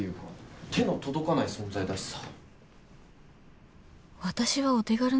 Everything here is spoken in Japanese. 手の届かない存在だしさ。